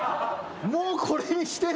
もうこれにしてんの？